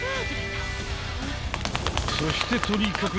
［そしてとにかく］